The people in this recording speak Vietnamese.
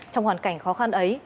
trong hoàn cảnh khó khăn ấy